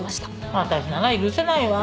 私なら許せないわ。